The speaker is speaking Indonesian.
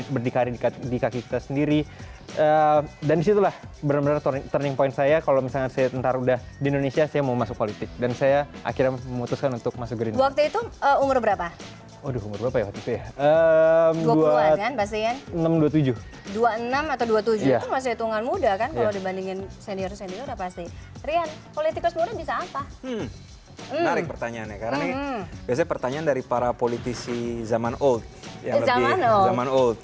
berita terkini dari kpum